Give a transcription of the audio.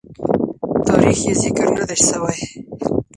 تاریخ یې ذکر نه دی سوی.